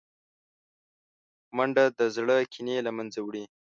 منډه د زړه کینې له منځه وړي